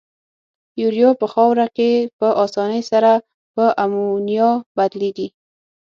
یوریا په خاوره کې په آساني سره په امونیا بدلیږي.